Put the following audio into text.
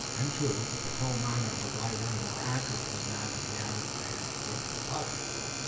In truth, his whole manner was lighter and more agile than that of the average man of Dutch blood.